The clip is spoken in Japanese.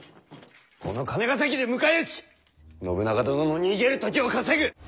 この金ヶ崎で迎え撃ち信長殿の逃げる時を稼ぐ！